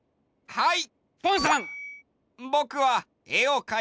はい！